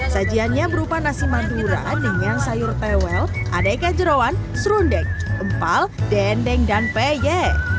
sajiannya berupa nasi madura dengan sayur tewel adeka jerawan serundeng empal dendeng dan peye